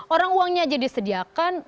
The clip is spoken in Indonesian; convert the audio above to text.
orang uangnya jadi disediakan